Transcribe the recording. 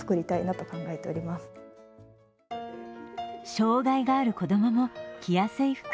障がいがある子供も着やすい服。